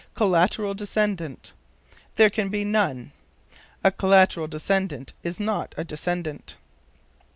Collateral Descendant. There can be none: a "collateral descendant" is not a descendant.